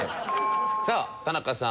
さあ田中さん